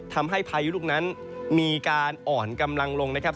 พายุลูกนั้นมีการอ่อนกำลังลงนะครับ